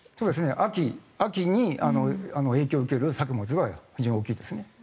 秋に影響を受ける作物は非常に大きいですね。